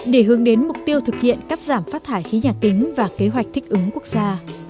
để hướng đến mục tiêu thực hiện cắt giảm phát thải khí nhà kính và kế hoạch thích ứng quốc gia